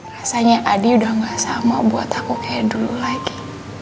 rasanya adi udah gak sama buat aku kayak dulu lagi